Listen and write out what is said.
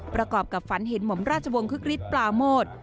ประกอบกับฝันเห็นหม่อมราชวงศึกฤทธิปลาโมด